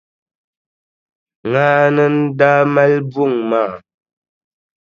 Ŋaani n-daa mali buŋa maa.